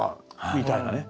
みたいなね。